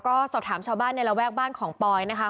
ก็สอบถามชาวบ้านในระแวกบ้านของปอยนะคะ